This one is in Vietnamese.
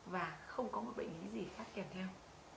và không có một bệnh lý gì khác kèm theo